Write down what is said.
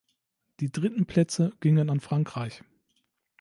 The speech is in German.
Die dritten Plätze gingen an Frankreich.